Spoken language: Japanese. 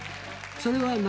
それは。